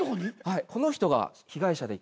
はいこの人が被害者で。